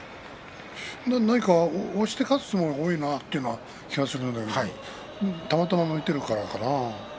何か押して勝つ相撲が多いなという気がするんだけどたまたまかなあ。